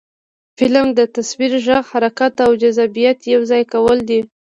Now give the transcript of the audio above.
فلم د تصویر، غږ، حرکت او جذابیت یو ځای کول دي